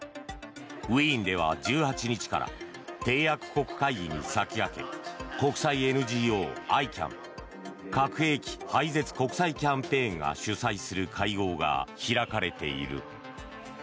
ウィーンでは１８日から締約国会議に先駆け国際ＮＧＯ、ＩＣＡＮ・核兵器廃絶国際キャンペーンが主催する会合が開かれている。